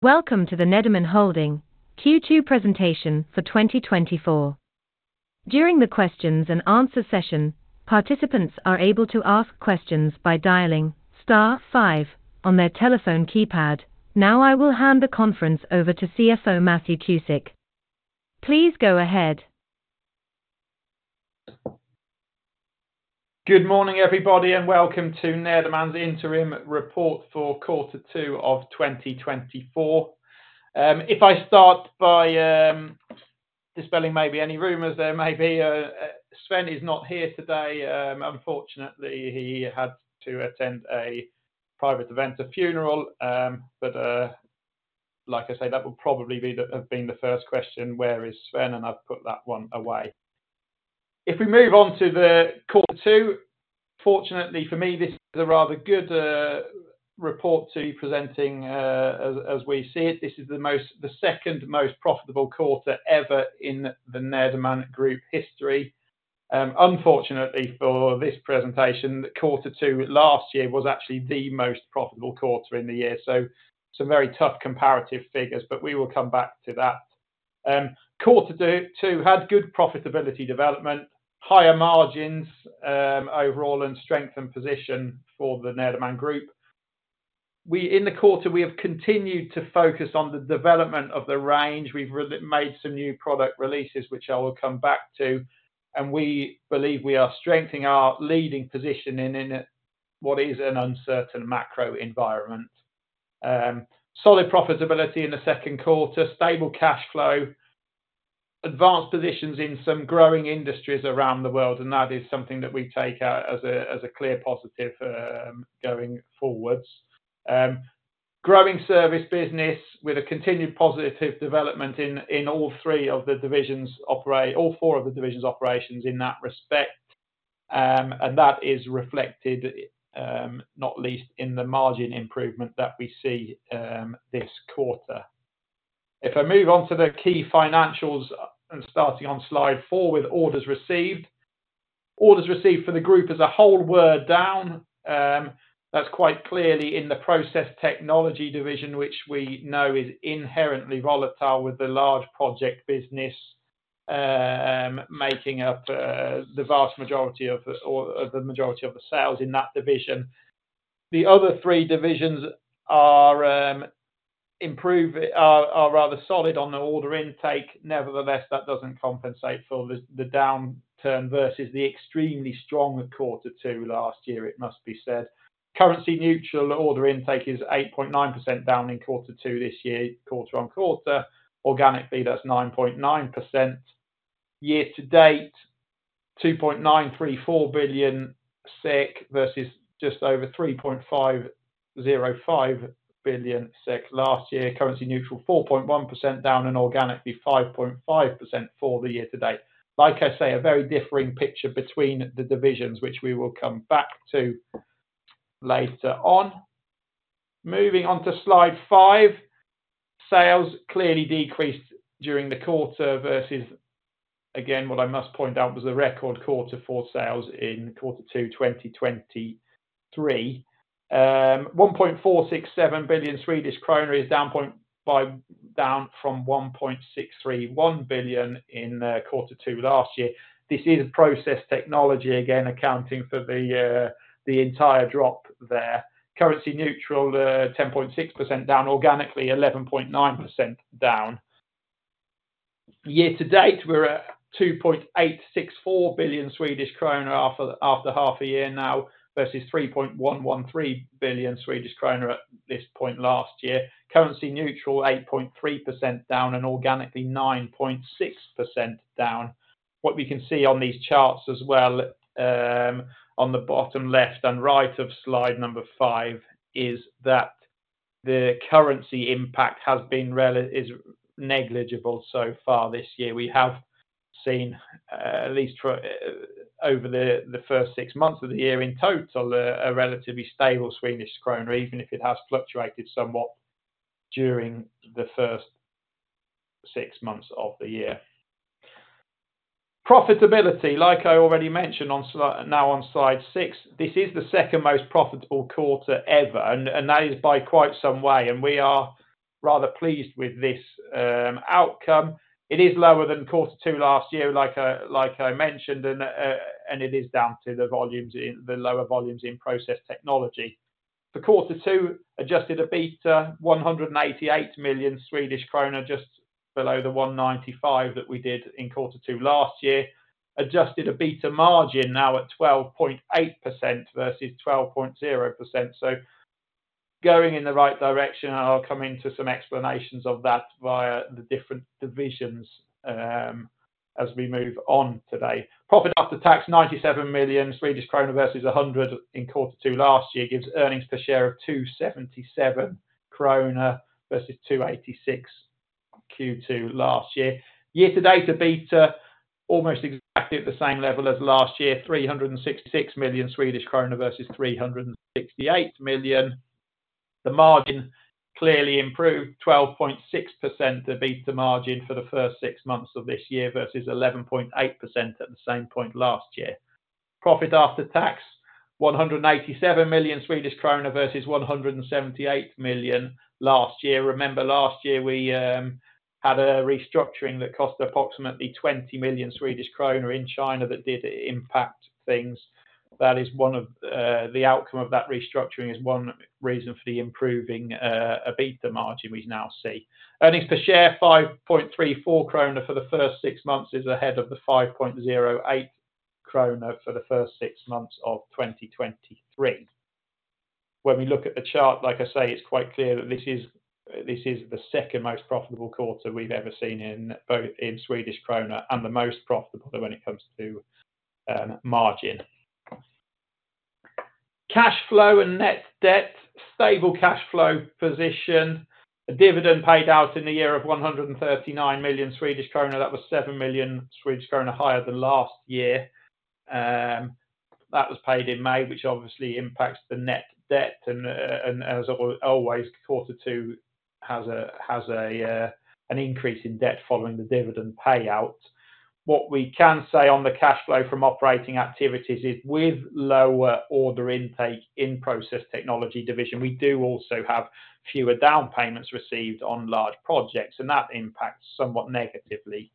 Welcome to the Nederman Holding Q2 presentation for 2024. During the questions and answer session, participants are able to ask questions by dialing star five on their telephone keypad. Now, I will hand the conference over to CFO Matthew Cusick. Please go ahead. Good morning, everybody, and welcome to Nederman's interim report for Quarter Two of 2024. If I start by dispelling maybe any rumors there may be, Sven is not here today. Unfortunately, he had to attend a private event, a funeral, but like I say, that would probably be the first question: Where is Sven? And I've put that one away. If we move on to the Quarter Two, fortunately for me, this is a rather good report to be presenting, as we see it. This is the second most profitable quarter ever in the Nederman Group history. Unfortunately, for this presentation, the Quarter Two last year was actually the most profitable quarter in the year, so some very tough comparative figures, but we will come back to that. Quarter 2, 2022 had good profitability development, higher margins, overall, and strengthened position for the Nederman Group. In the quarter, we have continued to focus on the development of the range. We've made some new product releases, which I will come back to, and we believe we are strengthening our leading position in what is an uncertain macro environment. Solid profitability in the second quarter, stable cash flow, advanced positions in some growing industries around the world, and that is something that we take out as a clear positive, going forward. Growing service business with a continued positive development in all four of the divisions' operations in that respect, and that is reflected, not least in the margin improvement that we see, this quarter. If I move on to the key financials and starting on slide four with orders received. Orders received for the group as a whole were down, that's quite clearly in the Process Technology division, which we know is inherently volatile with the large project business, making up the vast majority of the sales in that division. The other three divisions are rather solid on the order intake. Nevertheless, that doesn't compensate for the downturn versus the extremely strong Quarter Two last year, it must be said. Currency neutral order intake is 8.9% down in Quarter Two this year, quarter-on-quarter. Organically, that's 9.9%. Year to date, 2.934 billion SEK versus just over 3.505 billion SEK last year. Currency neutral, 4.1% down, and organically, 5.5% for the year to date. Like I say, a very differing picture between the divisions, which we will come back to later on. Moving on to slide 5. Sales clearly decreased during the quarter versus, again, what I must point out was a record quarter for sales in Quarter 2, 2023. 1.467 billion Swedish kronor is down 0.5%—down from 1.631 billion in Quarter 2 last year. This is Process Technology, again, accounting for the entire drop there. Currency neutral, 10.6% down, organically 11.9% down. Year to date, we're at 2.864 billion Swedish kronor after half a year now, versus 3.113 billion Swedish kronor at this point last year. Currency neutral, 8.3% down, and organically, 9.6% down. What we can see on these charts as well, on the bottom left and right of slide number 5, is that the currency impact has been relatively negligible so far this year. We have seen at least for over the first six months of the year, in total, a relatively stable Swedish krona, even if it has fluctuated somewhat during the first six months of the year. Profitability, like I already mentioned, now on slide 6, this is the second most profitable quarter ever, and that is by quite some way, and we are rather pleased with this outcome. It is lower than Quarter Two last year, like I mentioned, and it is down to the lower volumes in Process Technology. For Quarter Two, adjusted EBITDA, 188 million Swedish krona, just below the 195 million that we did in Quarter Two last year. Adjusted EBITDA margin, now at 12.8% versus 12.0%. So going in the right direction, and I'll come into some explanations of that via the different divisions, as we move on today. Profit after tax, 97 million versus 100 million Swedish krona in Quarter Two last year, gives earnings per share of 2.77 krona versus 2.86 krona Q2 last year. Year to date, EBITDA, almost exactly at the same level as last year, 366 million Swedish krona versus 368 million. The margin clearly improved 12.6% EBITDA margin for the first six months of this year, versus 11.8% at the same point last year.... Profit after tax, 187 million Swedish krona versus 178 million last year. Remember, last year, we had a restructuring that cost approximately 20 million Swedish kronor in China that did impact things. That is one of the outcome of that restructuring is one reason for the improving EBITDA margin we now see. Earnings per share, 5.34 kronor for the first six months is ahead of the 5.08 kronor for the first six months of 2023. When we look at the chart, like I say, it's quite clear that this is, this is the second most profitable quarter we've ever seen in both in Swedish krona and the most profitable when it comes to, margin. Cash flow and net debt, stable cash flow position. A dividend paid out in the year of 139 million Swedish krona. That was 7 million Swedish krona higher than last year. That was paid in May, which obviously impacts the net debt, and, and as always, quarter two has a, has a, an increase in debt following the dividend payout. What we can say on the cash flow from operating activities is with lower order intake in Process Technology division, we do also have fewer down payments received on large projects, and that impacts somewhat negatively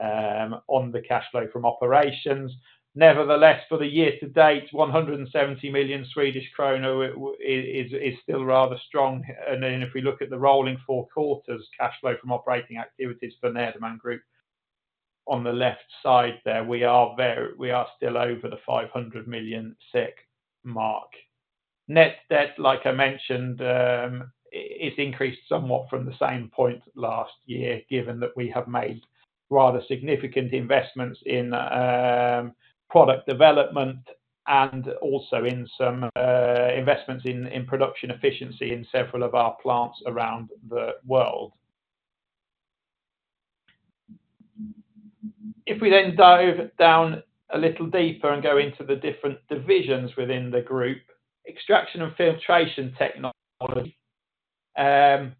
on the cash flow from operations. Nevertheless, for the year to date, 170 million Swedish kronor is still rather strong. And then if we look at the rolling four quarters cash flow from operating activities for Nederman Group, on the left side there, we are still over the 500 million SEK mark. Net debt, like I mentioned, it's increased somewhat from the same point last year, given that we have made rather significant investments in product development and also in some investments in production efficiency in several of our plants around the world. If we then dive down a little deeper and go into the different divisions within the group, Extraction and Filtration Technology. The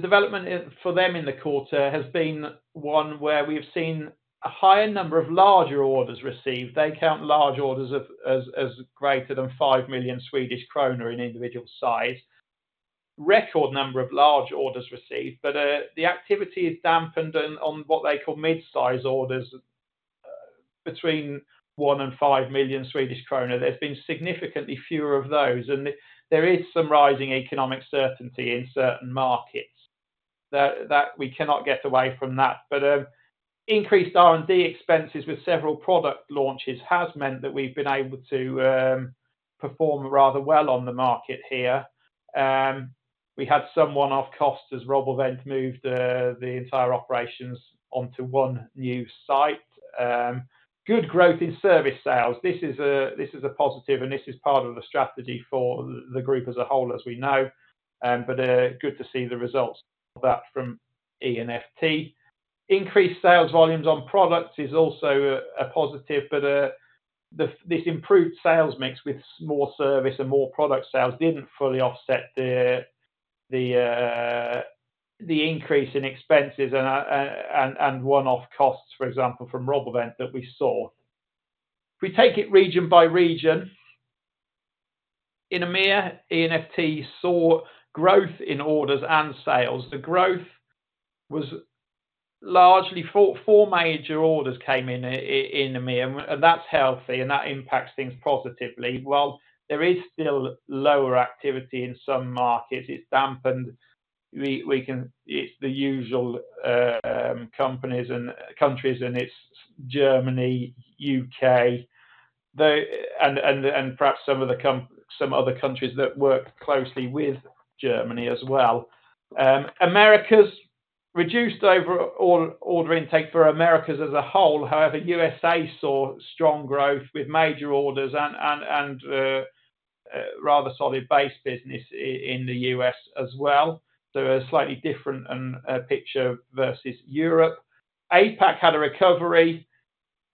development for them in the quarter has been one where we've seen a higher number of larger orders received. They count large orders as greater than 5 million Swedish kronor in individual size. Record number of large orders received, but the activity is dampened on what they call mid-size orders, between 1 million and 5 million Swedish kronor. There's been significantly fewer of those, and there is some rising economic certainty in certain markets. That we cannot get away from that, but increased R&D expenses with several product launches has meant that we've been able to perform rather well on the market here. We had some one-off costs as RoboVent moved the entire operations onto one new site. Good growth in service sales. This is a positive, and this is part of the strategy for the group as a whole, as we know. But good to see the results of that from E&FT. Increased sales volumes on products is also a positive, but this improved sales mix with more service and more product sales didn't fully offset the increase in expenses and one-off costs, for example, from RoboVent that we saw. If we take it region by region, in EMEA, E&FT saw growth in orders and sales. The growth was largely 4 major orders came in in EMEA, and that's healthy, and that impacts things positively. While there is still lower activity in some markets, it's dampened, it's the usual companies and countries, and it's Germany, U.K., and perhaps some other countries that work closely with Germany as well. Americas reduced overall order intake for Americas as a whole, however, USA saw strong growth with major orders and rather solid base business in the US as well. So a slightly different picture versus Europe. APAC had a recovery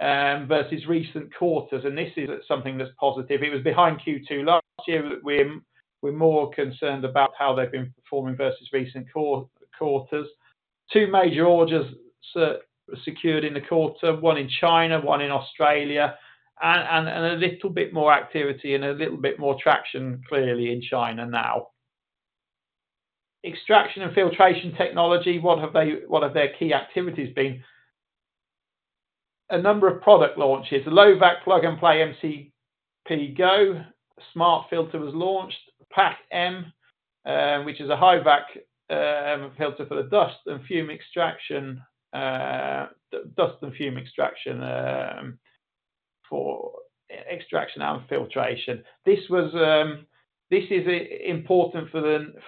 versus recent quarters, and this is something that's positive. It was behind Q2 last year that we're more concerned about how they've been performing versus recent quarters. Two major orders secured in the quarter, one in China, one in Australia, and a little bit more activity and a little bit more traction clearly in China now. Extraction and Filtration Technology, what have their key activities been? A number of product launches, Low Vac Plug and Play, MCP-GO, SmartFilter was launched, PAK-M, which is a high vac filter for the dust and fume extraction, for extraction and filtration. This was, this is important for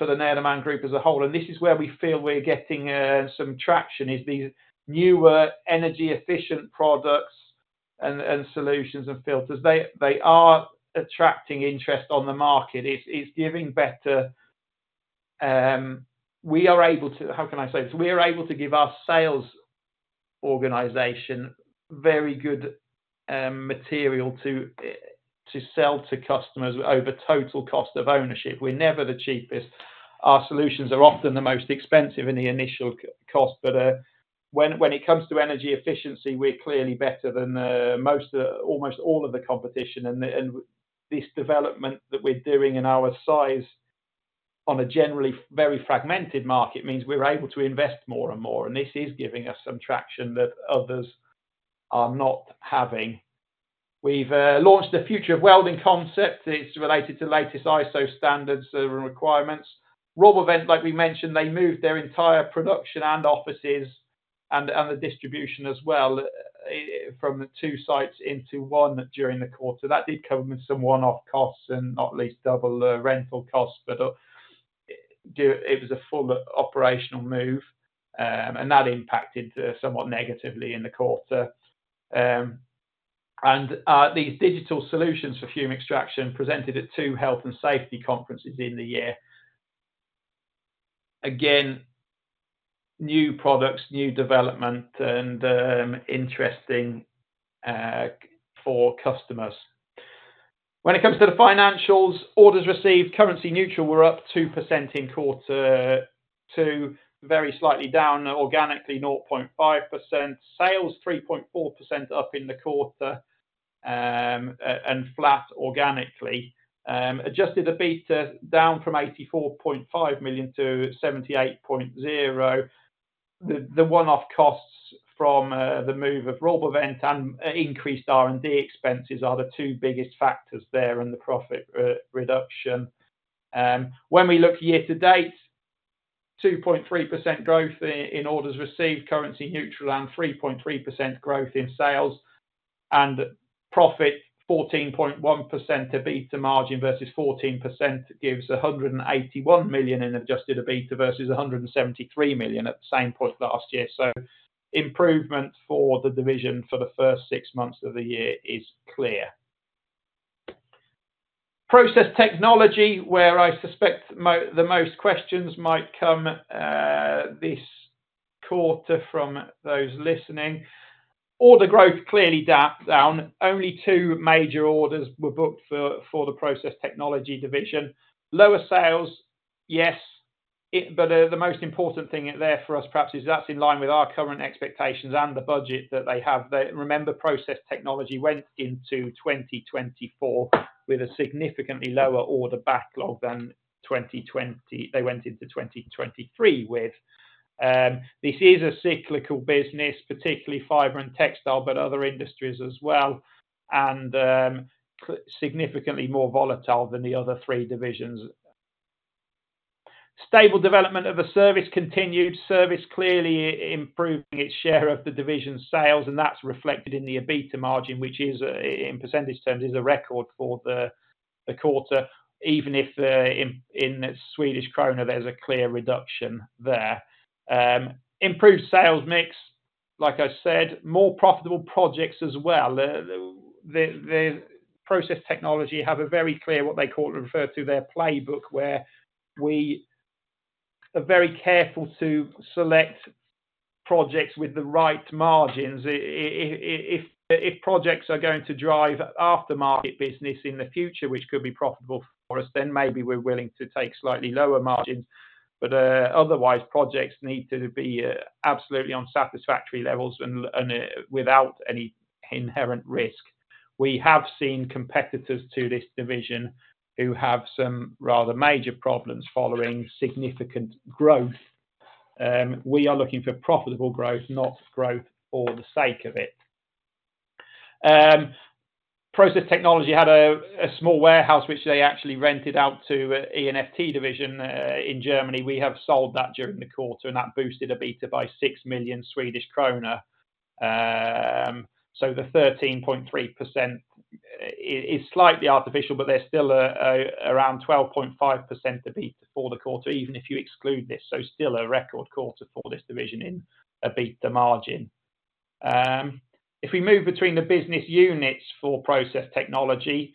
the Nederman Group as a whole, and this is where we feel we're getting some traction, is these newer energy-efficient products and solutions and filters. They are attracting interest on the market. It's giving better. We are able to— How can I say this? We are able to give our sales organization very good material to sell to customers over total cost of ownership. We're never the cheapest. Our solutions are often the most expensive in the initial cost, but when it comes to energy efficiency, we're clearly better than most, almost all of the competition. And this development that we're doing in our size, on a generally very fragmented market, means we're able to invest more and more, and this is giving us some traction that others are not having. We've launched the Future of Welding concept. It's related to the latest ISO standards and requirements. RoboVent, like we mentioned, they moved their entire production and offices, and the distribution as well, from the two sites into one during the quarter. That did come with some one-off costs and not least double rental costs, but it was a full operational move, and that impacted somewhat negatively in the quarter. These digital solutions for fume extraction presented at two health and safety conferences in the year. Again, new products, new development, and interesting for customers. When it comes to the financials, orders received, currency neutral, were up 2% in quarter two, very slightly down organically, 0.5%. Sales, 3.4% up in the quarter, and flat organically. Adjusted EBITDA, down from 84.5 million to 78.0 million. The one-off costs from the move of RoboVent and increased R&D expenses are the two biggest factors there in the profit reduction. When we look year to date, 2.3% growth in orders received, currency neutral, and 3.3% growth in sales, and profit 14.1% EBITDA margin versus 14%, gives 181 million in adjusted EBITDA versus 173 million at the same point last year. So improvement for the division for the first six months of the year is clear. Process Technology, where I suspect the most questions might come, this quarter from those listening. Order growth clearly down. Only two major orders were booked for the Process Technology division. Lower sales, yes, but the most important thing there for us, perhaps, is that's in line with our current expectations and the budget that they have. Remember, Process Technology went into 2024 with a significantly lower order backlog than they went into 2023 with. This is a cyclical business, particularly fiber and textile, but other industries as well, and significantly more volatile than the other three divisions. Stable development of service continued. Service clearly improving its share of the division's sales, and that's reflected in the EBITDA margin, which is, in percentage terms, a record for the quarter, even if, in the Swedish krona, there's a clear reduction there. Improved sales mix, like I said, more profitable projects as well. The Process Technology have a very clear, what they call, refer to their playbook, where we are very careful to select projects with the right margins. If projects are going to drive aftermarket business in the future, which could be profitable for us, then maybe we're willing to take slightly lower margins, but otherwise, projects need to be absolutely on satisfactory levels and without any inherent risk. We have seen competitors to this division who have some rather major problems following significant growth. We are looking for profitable growth, not growth for the sake of it. Process Technology had a small warehouse, which they actually rented out to an E&FT division in Germany. We have sold that during the quarter, and that boosted EBITDA by SEK 6 million. So the 13.3% is slightly artificial, but there's still around 12.5% EBITDA for the quarter, even if you exclude this, so still a record quarter for this division in EBITDA margin. If we move between the business units for Process Technology,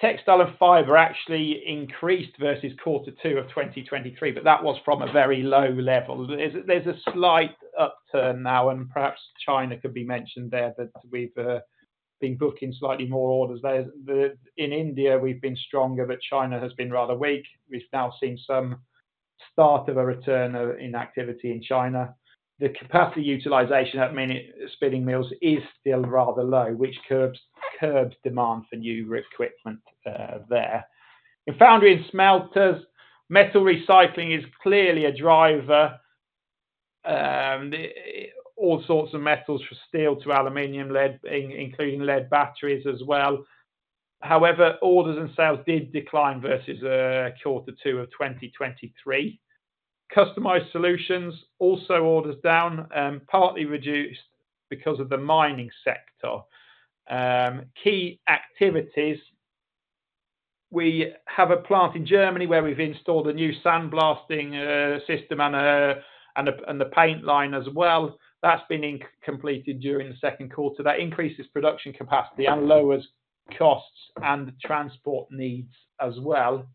textile and fiber actually increased versus quarter 2 of 2023, but that was from a very low level. There's a slight upturn now, and perhaps China could be mentioned there, that we've been booking slightly more orders there. In India, we've been stronger, but China has been rather weak. We've now seen some start of a return of inactivity in China. The capacity utilization at many spinning mills is still rather low, which curbs demand for new equipment there. In foundry and smelters, metal recycling is clearly a driver, all sorts of metals from steel to aluminum, lead, including lead batteries as well. However, orders and sales did decline versus quarter 2 of 2023. Customized solutions, also orders down, partly reduced because of the mining sector. Key activities, we have a plant in Germany where we've installed a new sandblasting system and a paint line as well. That's been completed during the second quarter. That increases production capacity and lowers costs and transport needs as well.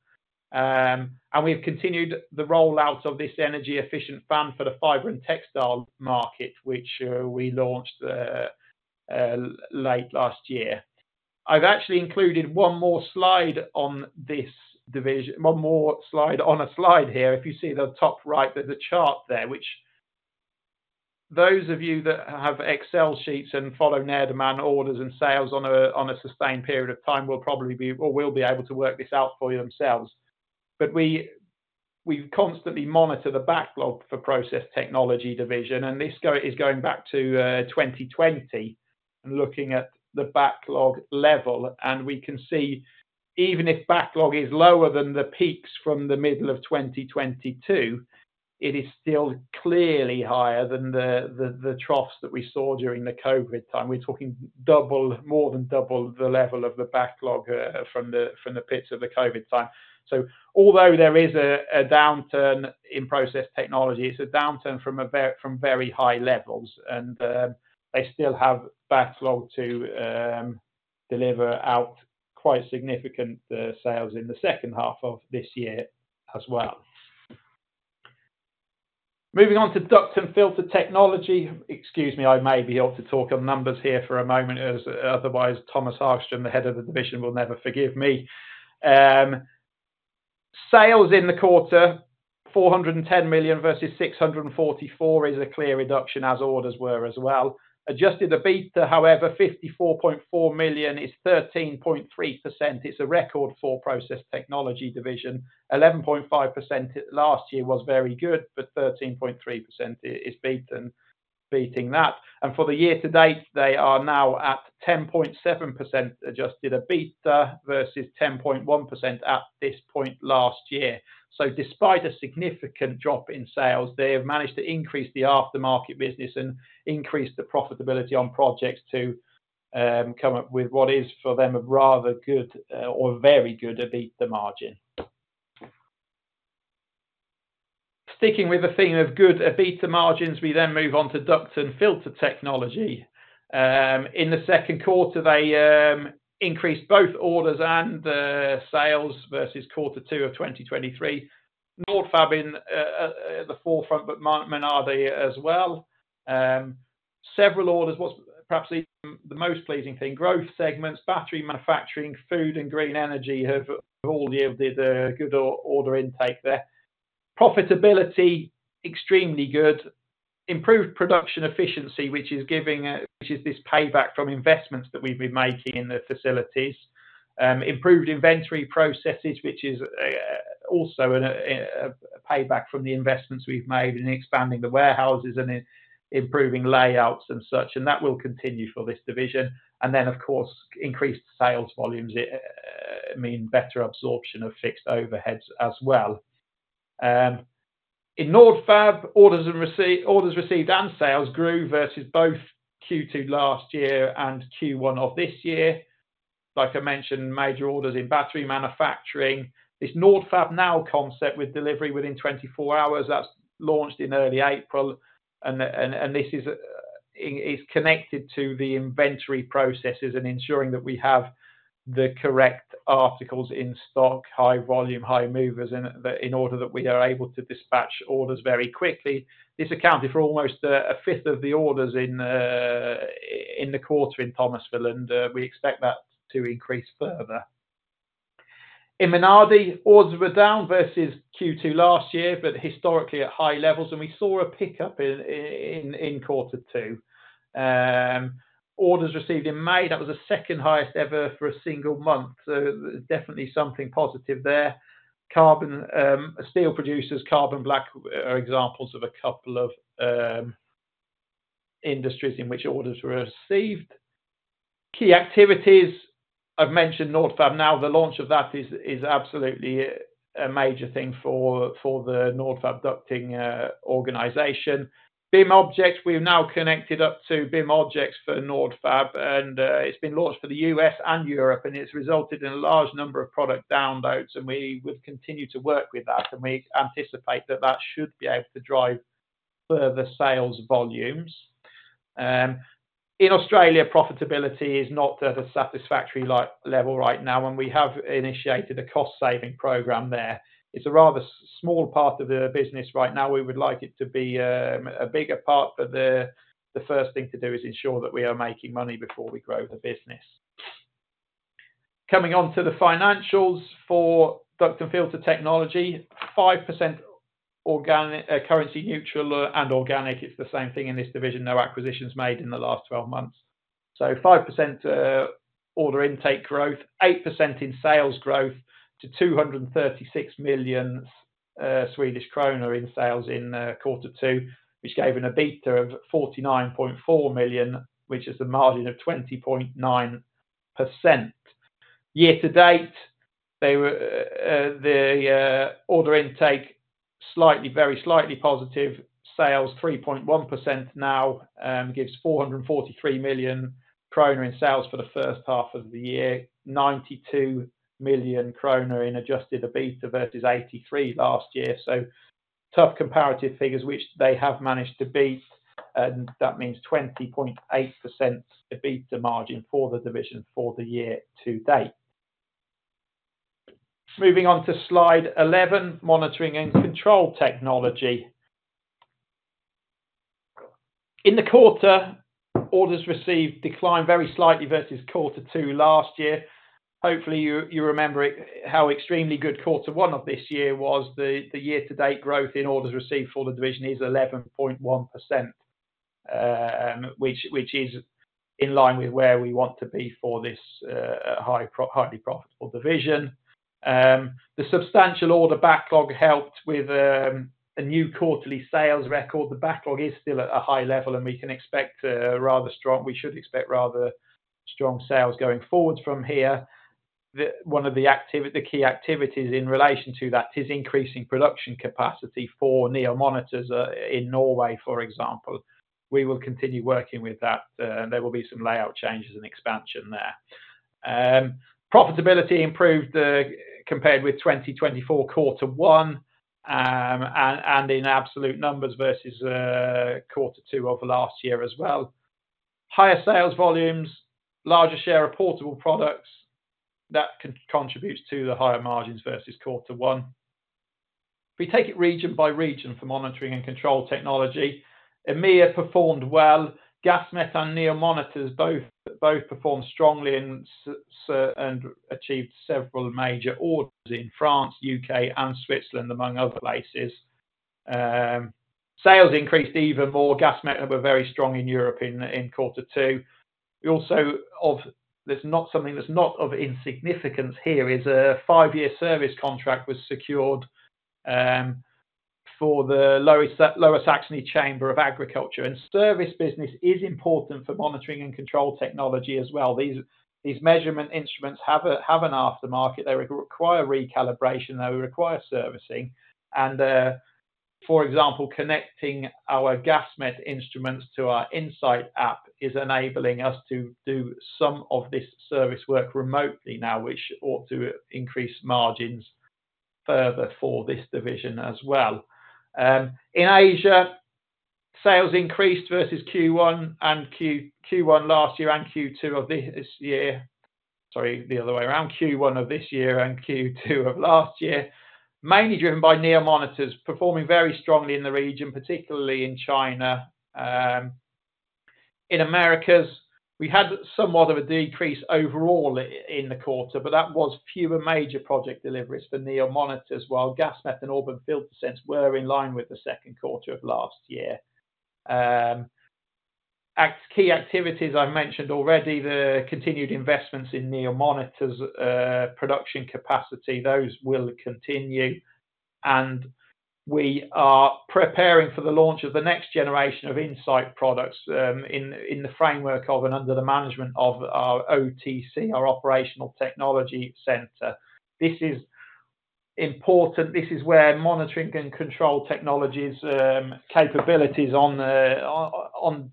And we've continued the rollout of this energy efficient fan for the fiber and textile market, which we launched late last year. I've actually included one more slide on this division, one more slide on a slide here. If you see the top right, there's a chart there, which those of you that have Excel sheets and follow net demand, orders, and sales on a sustained period of time, will probably be or will be able to work this out for yourselves. But we constantly monitor the backlog for Process Technology Division, and this graph is going back to 2020, and looking at the backlog level. And we can see, even if backlog is lower than the peaks from the middle of 2022, it is still clearly higher than the troughs that we saw during the COVID time. We're talking double, more than double the level of the backlog from the pits of the COVID time. So although there is a downturn in Process Technology, it's a downturn from very high levels, and they still have backlog to deliver out quite significant sales in the second half of this year as well. Moving on to Duct and Filter Technology. Excuse me, I may be able to talk on numbers here for a moment, as otherwise, Tomas Hagström, the head of the division, will never forgive me. Sales in the quarter, 410 million versus 644 million, is a clear reduction, as orders were as well. Adjusted EBITDA, however, 54.4 million is 13.3%. It's a record for Process Technology Division. 11.5% last year was very good, but 13.3% is beaten, beating that. For the year to date, they are now at 10.7% adjusted EBITDA versus 10.1% at this point last year. So despite a significant drop in sales, they have managed to increase the aftermarket business and increase the profitability on projects to come up with what is, for them, a rather good or very good EBITDA margin. Sticking with the theme of good EBITDA margins, we then move on to Duct & Filter Technology. In the second quarter, they increased both orders and sales versus quarter two of 2023. Nordfab in at the forefront, but Menardi as well. Several orders, what's perhaps even the most pleasing thing, growth segments, battery manufacturing, food and green energy have all yielded a good order intake there. Profitability, extremely good. Improved production efficiency, which is this payback from investments that we've been making in the facilities. Improved inventory processes, which is also a payback from the investments we've made in expanding the warehouses and in improving layouts and such, and that will continue for this division. And then, of course, increased sales volumes mean better absorption of fixed overheads as well. In Nordfab, orders received and sales grew versus both Q2 last year and Q1 of this year. Like I mentioned, major orders in battery manufacturing. This Nordfab Now concept with delivery within 24 hours, that's launched in early April, and this is connected to the inventory processes and ensuring that we have the correct articles in stock, high volume, high movers, in the... in order that we are able to dispatch orders very quickly. This accounted for almost a fifth of the orders in the quarter in Thomasville, and we expect that to increase further. In Menardi, orders were down versus Q2 last year, but historically at high levels, and we saw a pickup in quarter two. Orders received in May, that was the second highest ever for a single month, so there's definitely something positive there. Carbon steel producers, carbon black, are examples of a couple of industries in which orders were received. Key activities: I've mentioned Nordfab Now, the launch of that is absolutely a major thing for the Nordfab ducting organization. BIM objects, we've now connected up to BIM objects for Nordfab, and, it's been launched for the US and Europe, and it's resulted in a large number of product downloads, and we would continue to work with that, and we anticipate that that should be able to drive further sales volumes. In Australia, profitability is not at a satisfactory like, level right now, and we have initiated a cost-saving program there. It's a rather small part of the business right now. We would like it to be, a bigger part, but the, the first thing to do is ensure that we are making money before we grow the business. Coming on to the financials for Duct and Filter Technology, 5% organic currency neutral, and organic, it's the same thing in this division, no acquisitions made in the last 12 months. So 5% order intake growth, 8% in sales growth to 236 million Swedish kronor in sales in quarter two, which gave an EBITDA of 49.4 million, which is a margin of 20.9%. Year to date, the order intake was slightly, very slightly positive. Sales 3.1% now gives 443 million krona in sales for the first half of the year. 92 million krona in adjusted EBITDA versus 83 million last year, so tough comparative figures, which they have managed to beat, and that means 20.8% EBITDA margin for the division for the year to date. Moving on to Slide 11, Monitoring & Control Technology. In the quarter, orders received declined very slightly versus quarter two last year. Hopefully, you remember it, how extremely good quarter one of this year was. The year-to-date growth in orders received for the division is 11.1%, which is in line with where we want to be for this highly profitable division. The substantial order backlog helped with a new quarterly sales record. The backlog is still at a high level, and we can expect rather strong sales going forward from here. We should expect rather strong sales going forward from here. One of the key activities in relation to that is increasing production capacity for NEO Monitors in Norway, for example. We will continue working with that, and there will be some layout changes and expansion there. Profitability improved compared with 2024 quarter one, and in absolute numbers versus quarter two of last year as well. Higher sales volumes, larger share of portable products, that contributes to the higher margins versus quarter one. If we take it region by region for Monitoring and Control Technology, EMEA performed well. Gasmet and NEO Monitors both performed strongly and achieved several major orders in France, UK, and Switzerland, among other places. Sales increased even more. Gasmet were very strong in Europe in quarter two. We also there's not something that's not of insignificance here is a 5-year service contract was secured for the Lower Saxony Chamber of Agriculture, and service business is important for Monitoring and Control Technology as well. These measurement instruments have an aftermarket. They require recalibration. They require servicing, and for example, connecting our Gasmet instruments to our Insight app is enabling us to do some of this service work remotely now, which ought to increase margins further for this division as well. In Asia, sales increased versus Q1 and Q1 last year and Q2 of this year. Sorry, the other way around, Q1 of this year and Q2 of last year, mainly driven by NEO Monitors performing very strongly in the region, particularly in China. In Americas, we had somewhat of a decrease overall in the quarter, but that was fewer major project deliveries for NEO Monitors, while Gasmet and Auburn FilterSense were in line with the second quarter of last year. Key activities I mentioned already, the continued investments in NEO Monitors production capacity, those will continue, and we are preparing for the launch of the next generation of Insight products, in the framework of and under the management of our OTC, our Operational Technology Center. This is important. This is where monitoring and control technologies capabilities on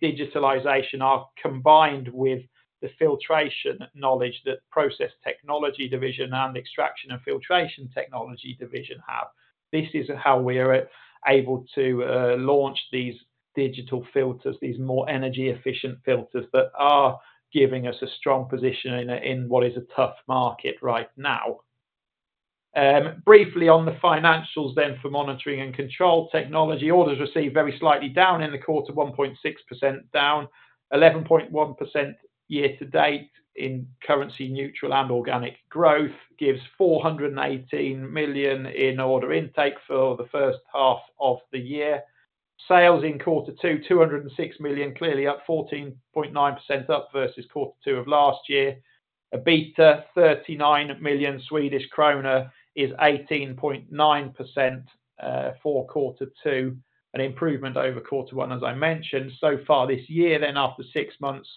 digitalization are combined with the filtration knowledge that Process Technology division and Extraction and Filtration Technology division have. This is how we are able to launch these digital filters, these more energy-efficient filters, that are giving us a strong position in what is a tough market right now. Briefly on the financials then for Monitoring and Control Technology, orders received very slightly down in the quarter, 1.6% down, 11.1% year to date in currency neutral and organic growth, gives 418 million in order intake for the first half of the year. Sales in quarter two, 206 million, clearly up 14.9% up versus quarter two of last year. EBITDA, 39 million Swedish kronor, is 18.9% for quarter two, an improvement over quarter one, as I mentioned. So far this year, then after six months,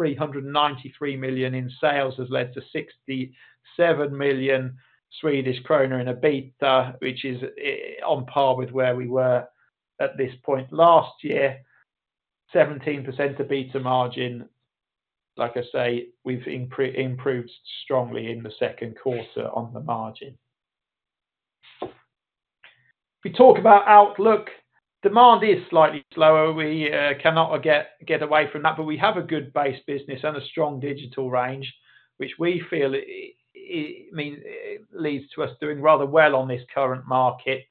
393 million in sales has led to 67 million Swedish kronor in EBITDA, which is on par with where we were at this point last year. 17% EBITDA margin, like I say, we've improved strongly in the second quarter on the margin. We talk about outlook. Demand is slightly slower. We cannot get away from that, but we have a good base business and a strong digital range, which we feel means leads to us doing rather well on this current market.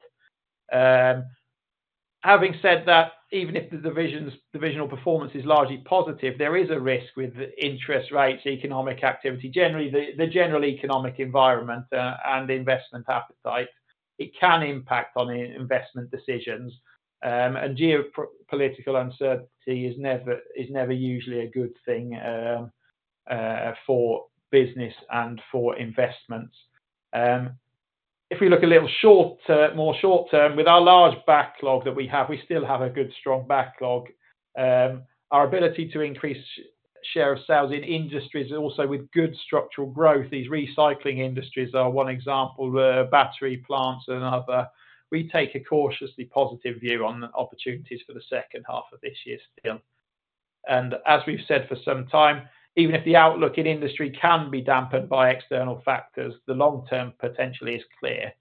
Having said that, even if the division's divisional performance is largely positive, there is a risk with interest rates, economic activity, generally, the general economic environment, and investment appetite, it can impact on investment decisions. And geopolitical uncertainty is never usually a good thing for business and for investments. If we look a little short term, more short term, with our large backlog that we have, we still have a good, strong backlog. Our ability to increase share of sales in industries and also with good structural growth, these recycling industries are one example, where battery plants are another. We take a cautiously positive view on the opportunities for the second half of this year still. As we've said for some time, even if the outlook in industry can be dampened by external factors, the long-term potential is clear.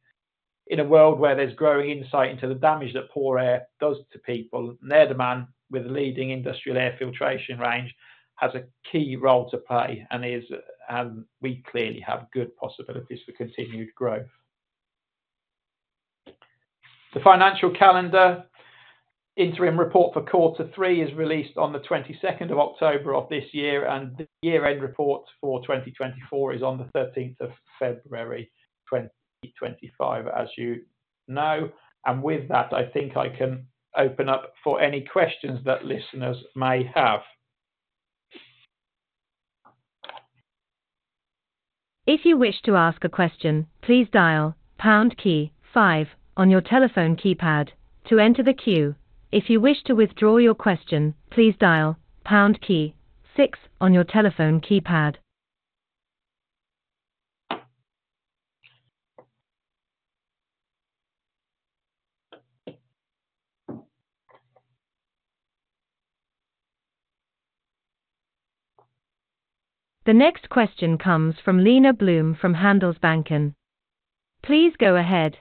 In a world where there's growing insight into the damage that poor air does to people, their demand with a leading industrial air filtration range has a key role to play and is. We clearly have good possibilities for continued growth. The financial calendar interim report for quarter three is released on the 22nd of October of this year, and the year-end report for 2024 is on the 13th of February, 2025, as you know. With that, I think I can open up for any questions that listeners may have. If you wish to ask a question, please dial pound key five on your telephone keypad to enter the queue. If you wish to withdraw your question, please dial pound key six on your telephone keypad. The next question comes from Lena Blom, from Handelsbanken. Please go ahead.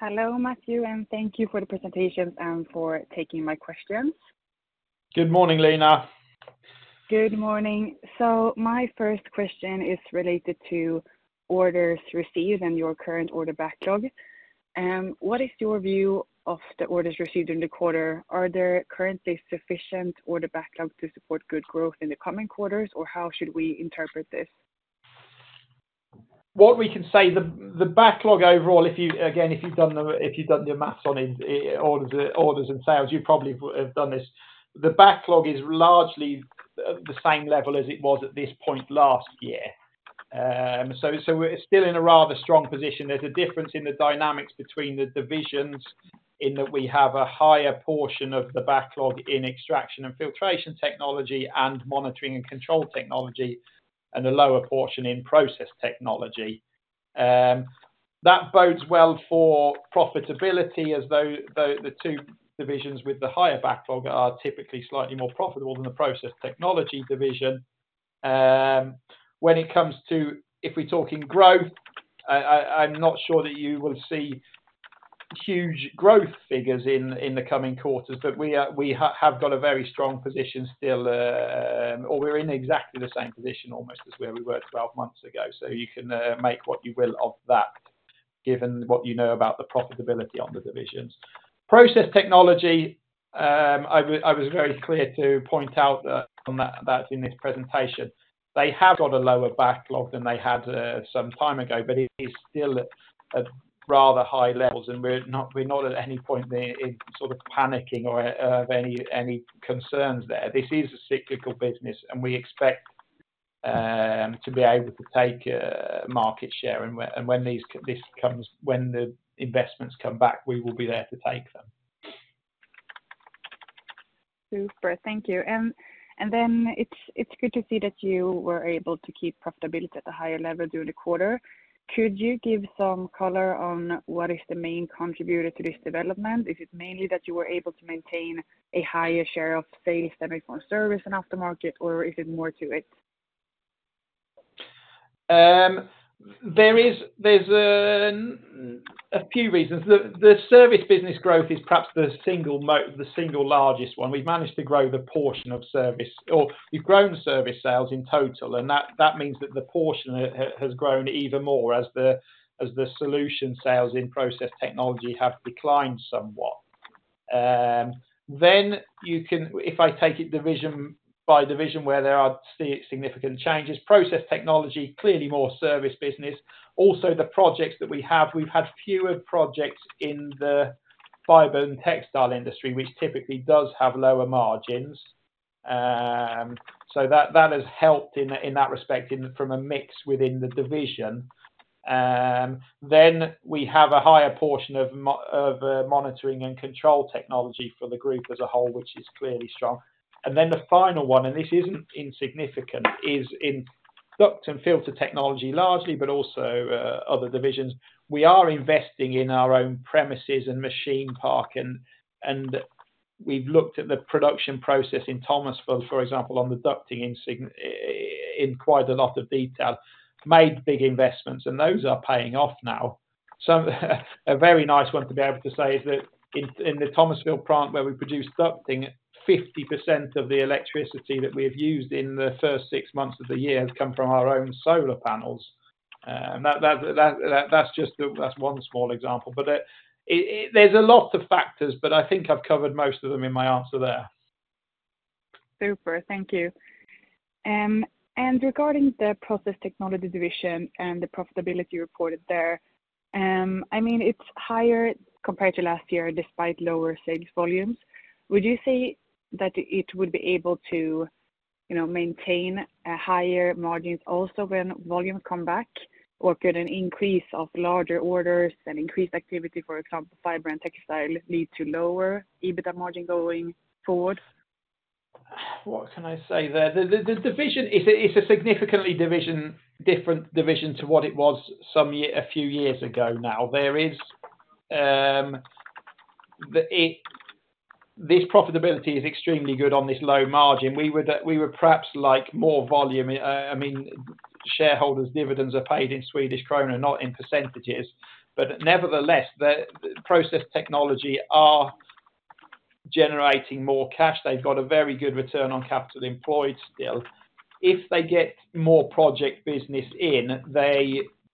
Hello, Matthew, and thank you for the presentation and for taking my questions. Good morning, Lena. Good morning. So my first question is related to orders received and your current order backlog. What is your view of the orders received in the quarter? Are there currently sufficient order backlog to support good growth in the coming quarters, or how should we interpret this? What we can say, the backlog overall. If you've done your math on it, our orders, orders and sales, you probably have done this. The backlog is largely the same level as it was at this point last year. So, we're still in a rather strong position. There's a difference in the dynamics between the divisions in that we have a higher portion of the backlog in Extraction and Filtration Technology and Monitoring and Control Technology, and a lower portion in Process Technology. That bodes well for profitability although the two divisions with the higher backlog are typically slightly more profitable than the Process Technology division. When it comes to if we're talking growth, I'm not sure that you will see huge growth figures in the coming quarters, but we have got a very strong position still, or we're in exactly the same position almost as where we were 12 months ago. So you can make what you will of that, given what you know about the profitability on the divisions. Process Technology, I was very clear to point out that on that in this presentation, they have got a lower backlog than they had some time ago, but it is still at rather high levels, and we're not at any point there in sort of panicking or have any concerns there. This is a cyclical business, and we expect to be able to take market share, and when this comes, when the investments come back, we will be there to take them. Super. Thank you. And then it's good to see that you were able to keep profitability at a higher level during the quarter. Could you give some color on what is the main contributor to this development? Is it mainly that you were able to maintain a higher share of sales that make more service and aftermarket, or is it more to it? There is, there's a few reasons. The service business growth is perhaps the single largest one. We've managed to grow the portion of service, or we've grown service sales in total, and that means that the portion has grown even more as the solution sales in Process Technology have declined somewhat. Then you can, if I take it division by division, where there are significant changes, Process Technology, clearly more service business. Also, the projects that we have, we've had fewer projects in the fiber and textile industry, which typically does have lower margins. So that has helped in that respect from a mix within the division. Then we have a higher portion of Monitoring and Control Technology for the group as a whole, which is clearly strong. Then the final one, and this isn't insignificant, is in Duct and Filter Technology, largely, but also other divisions. We are investing in our own premises and machine park, and we've looked at the production process in Thomasville, for example, on the ducting designing in quite a lot of detail, made big investments, and those are paying off now. So a very nice one to be able to say is that in the Thomasville plant, where we produce ducting, 50% of the electricity that we have used in the first six months of the year has come from our own solar panels. And that's just that's one small example. But it... There's a lot of factors, but I think I've covered most of them in my answer there. Super. Thank you. Regarding the Process Technology division and the profitability reported there, I mean, it's higher compared to last year, despite lower sales volumes. Would you say that it would be able to, you know, maintain a higher margins also when volumes come back, or could an increase of larger orders and increased activity, for example, fiber and textile, lead to lower EBITDA margin going forward? What can I say there? The division, it's a significantly different division to what it was a few years ago now. This profitability is extremely good on this low margin. We would perhaps like more volume. I mean, shareholders' dividends are paid in Swedish krona, not in percentages. But nevertheless, the Process Technology are generating more cash. They've got a very good Return on Capital Employed still. If they get more project business in,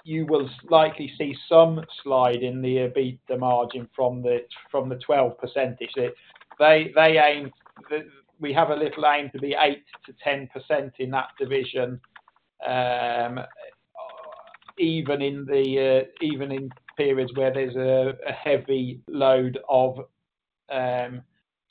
you will likely see some slide in the EBITDA margin from the 12%. They aim to be 8%-10% in that division, even in periods where there's a heavy load of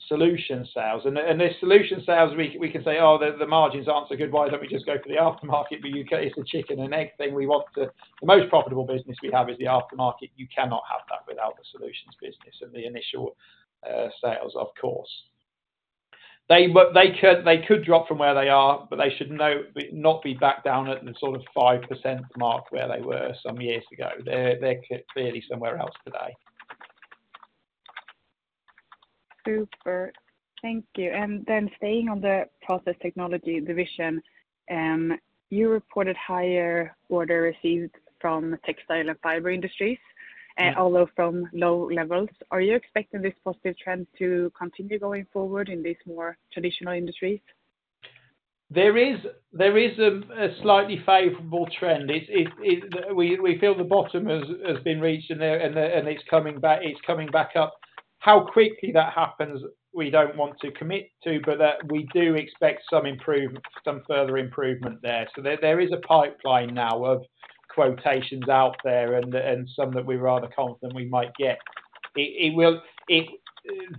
solution sales. And the solution sales, we can say, "Oh, the margins aren't so good, why don't we just go for the aftermarket?" But you get it's a chicken and egg thing. We want the... The most profitable business we have is the aftermarket. You cannot have that without the solutions business and the initial sales, of course. They could, they could drop from where they are, but they should not be back down at the sort of 5% mark, where they were some years ago. They're clearly somewhere else today. Super. Thank you. And then staying on the Process Technology division, you reported higher orders received from textile and fiber industries, although from low levels. Are you expecting this positive trend to continue going forward in these more traditional industries? There is a slightly favorable trend. It's we feel the bottom has been reached, and it's coming back up. How quickly that happens, we don't want to commit to, but we do expect some further improvement there. So there is a pipeline now of quotations out there and some that we're rather confident we might get. It will...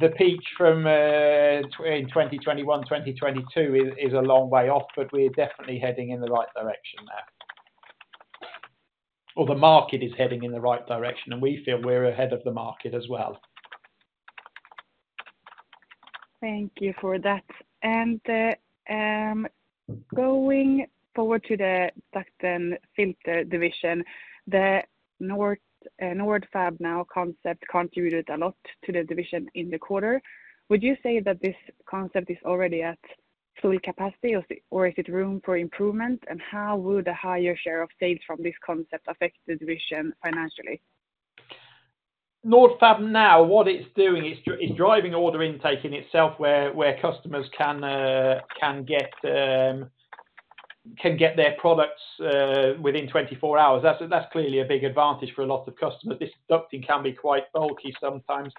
The peak from in 2021, 2022 is a long way off, but we are definitely heading in the right direction now. Or the market is heading in the right direction, and we feel we're ahead of the market as well. Thank you for that. Going forward to the Duct and Filter division, the Nordfab Now concept contributed a lot to the division in the quarter. Would you say that this concept is already at full capacity or is there room for improvement? And how would a higher share of sales from this concept affect the division financially? Nordfab Now, what it's doing is—it's driving order intake in itself, where customers can get their products within 24 hours. That's clearly a big advantage for a lot of customers. This ducting can be quite bulky sometimes.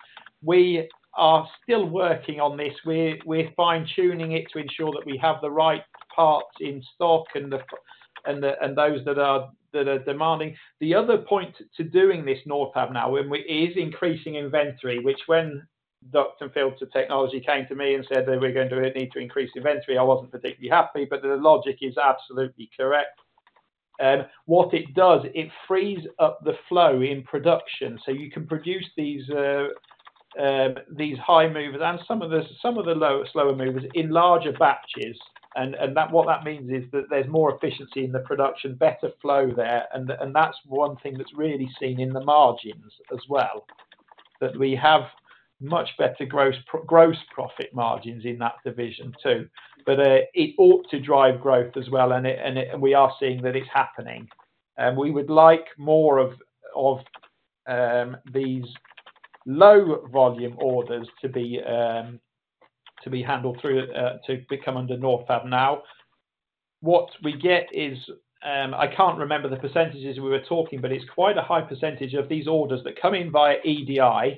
We are still working on this. We're fine-tuning it to ensure that we have the right parts in stock and the—and those that are demanding. The other point to doing this Nordfab Now, and we is increasing inventory, which when Duct and Filter Technology came to me and said that we're going to need to increase inventory, I wasn't particularly happy, but the logic is absolutely correct. What it does, it frees up the flow in production. So you can produce these high movers and some of the low, slower movers in larger batches. And that, what that means is that there's more efficiency in the production, better flow there, and that's one thing that's really seen in the margins as well, that we have much better gross profit margins in that division, too. But it ought to drive growth as well, and it we are seeing that it's happening. And we would like more of these low volume orders to be handled through to become under Nordfab Now. What we get is, I can't remember the percentages we were talking, but it's quite a high percentage of these orders that come in via EDI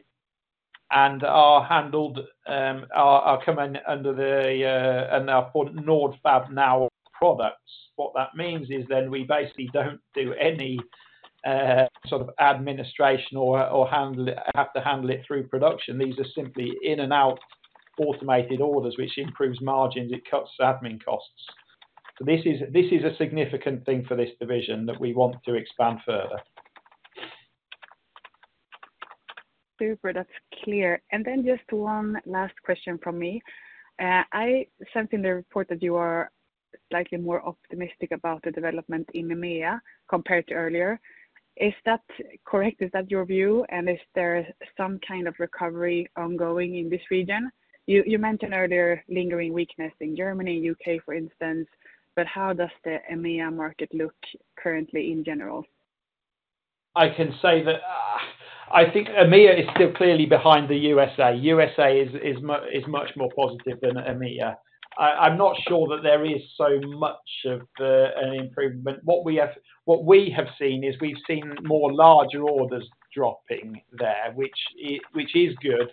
and are handled, are coming under the, and are called Nordfab Now products. What that means is then we basically don't do any sort of administration or handle it, have to handle it through production. These are simply in and out automated orders, which improves margins, it cuts admin costs. So this is a significant thing for this division that we want to expand further. Super, that's clear. And then just one last question from me. Something in the report that you are slightly more optimistic about the development in EMEA compared to earlier. Is that correct? Is that your view, and is there some kind of recovery ongoing in this region? You mentioned earlier, lingering weakness in Germany and U.K., for instance, but how does the EMEA market look currently in general? I can say that, I think EMEA is still clearly behind the USA. USA is much more positive than EMEA. I'm not sure that there is so much of an improvement. What we have seen is, we've seen more larger orders dropping there, which is good,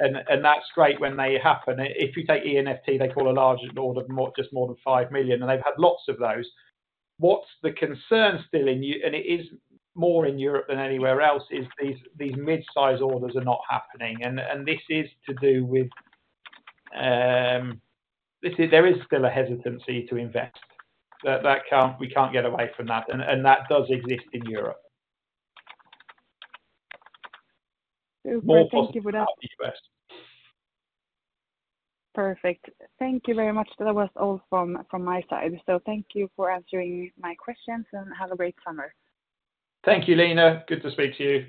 and that's great when they happen. If you take E&FT, they call a larger order just more than 5 million, and they've had lots of those. What's the concern still, and it is more in Europe than anywhere else, is these mid-size orders are not happening. And this is to do with, this is, there is still a hesitancy to invest. That can't, we can't get away from that, and that does exist in Europe. Super. Thank you for that. More so than in the U.S. Perfect. Thank you very much. That was all from my side. So thank you for answering my questions, and have a great summer. Thank you, Lena. Good to speak to you.